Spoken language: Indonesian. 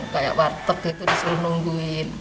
kayak warteg gitu disuruh nungguin